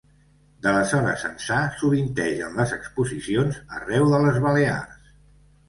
D’aleshores ençà sovintegen les exposicions arreu de les Balears.